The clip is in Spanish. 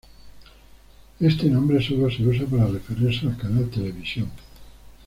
Este nombre solo se usa para referirse al canal televisión.